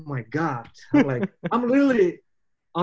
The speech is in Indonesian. saya benar benar di telepon